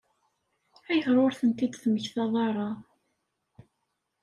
Ayɣer ur tent-id-temmektaḍ ara?